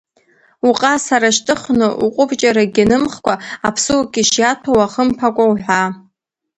Уҟасара шьҭыхны, уҟәыбҷарагь нымхкәа, Аԥсыуак ишиаҭәоу уахымԥакәа уҳәаа.